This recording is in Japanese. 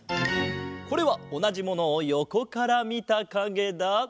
これはおなじものをよこからみたかげだ。